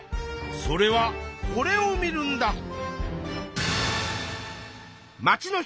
それはこれを見るんだ！